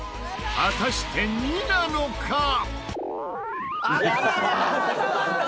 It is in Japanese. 果たして２なのか？